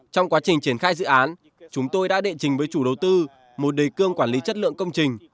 trong quá trình triển khai dự án chúng tôi đã đệ trình với chủ đầu tư một đề cương quản lý chất lượng công trình